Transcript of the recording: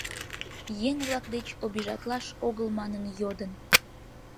Еҥ-влак деч обижатлаш огыл манын йодын.